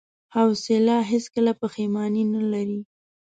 حوصله هیڅکله پښېماني نه لري.